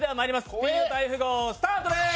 スピード「大富豪」スタートです。